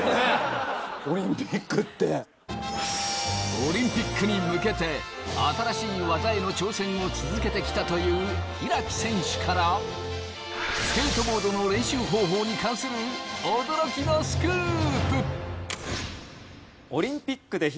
オリンピックに向けて新しい技への挑戦を続けてきたという開選手からスケートボードの練習方法に関する驚きのスクープ！